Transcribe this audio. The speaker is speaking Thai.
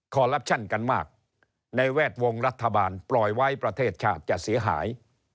ลับชั่นกันมากในแวดวงรัฐบาลปล่อยไว้ประเทศชาติจะเสียหาย